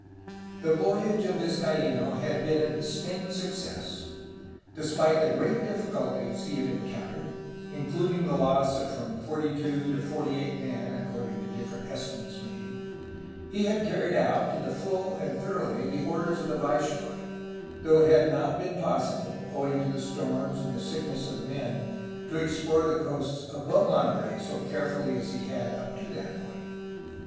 The voyage of Vizcaino had been a distinct success. Despite the great difficulties he had encountered, including the loss of from forty two to forty eight men (according to different estimates made), he had carried out, to the full and thoroughly, the orders of the viceroy, though it had not been possible, owing to the storms and the sickness of the men, to explore the coasts above Monterey so carefully as he had up to that point.